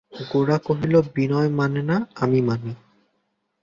গোরা কহিল, বিনয় মানে না, আমি মানি।